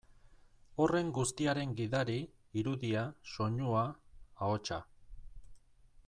Horren guztiaren gidari, irudia, soinua, ahotsa.